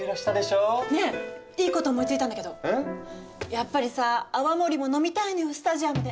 やっぱりさ泡盛も飲みたいのよスタジアムで。